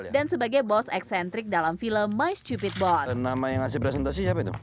dan sebagai bos eksentrik dalam film my stupid boss